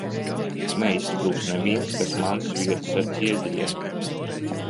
Neizspruks neviens, kas man sviedis ar ķieģeļiem!